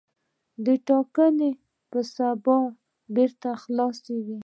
د ټاکنو په سبا یې بېرته خلاصوي.